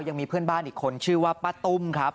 ยังมีเพื่อนบ้านอีกคนชื่อว่าป้าตุ้มครับ